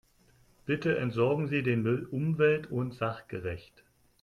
Bitte entsorgen Sie den Müll umwelt- und sachgerecht.